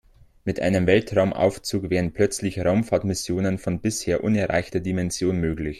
Mit einem Weltraumaufzug wären plötzlich Raumfahrtmissionen von bisher unerreichter Dimension möglich.